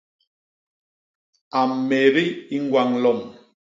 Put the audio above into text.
A mmédi i ñgwañ lom.